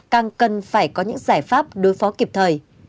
càng cần phải có những giải pháp đối phó kịp thời